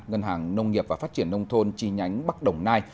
ngân hàng nông nghiệp và phát triển nông thôn chi nhánh bắc đồng nai